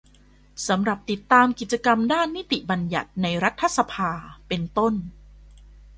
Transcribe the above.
สำหรับติดตามกิจกรรมด้านนิติญัตติในรัฐสภา เป็นต้น